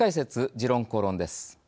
「時論公論」です。